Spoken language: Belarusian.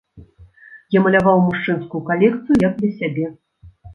Я маляваў мужчынскую калекцыю як для сябе.